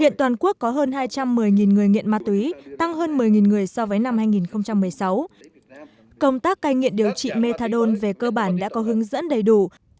hiện toàn quốc có hơn hai trăm một mươi người nghiện ma túy tăng hơn một mươi người so với năm hai nghìn một mươi sáu công tác cai nghiện điều trị methadone về cơ bản đã có hướng dẫn đầy đủ